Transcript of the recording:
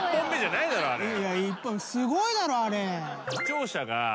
すごいだろあれ。